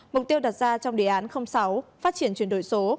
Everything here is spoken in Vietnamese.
mục tiêu đặt ra trong đề án sáu phát triển chuyển đổi số